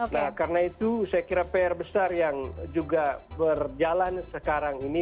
nah karena itu saya kira pr besar yang juga berjalan sekarang ini